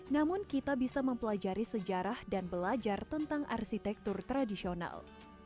namun kita bisa mempelajari sejarah dan belajar tentang arsitektur tradisional